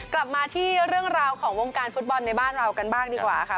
กลับมาที่เรื่องราวของวงการฟุตบอลในบ้านเรากันบ้างดีกว่าค่ะ